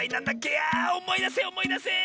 あおもいだせおもいだせ！